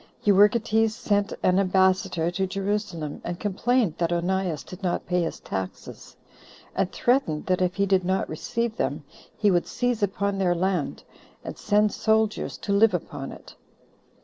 Euergetes sent an ambassador to Jerusalem, and complained that Onias did not pay his taxes, and threatened, that if he did not receive them, he would seize upon their land, and send soldiers to live upon it.